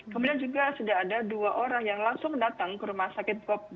kemudian juga sudah ada dua orang yang langsung datang ke rumah sakit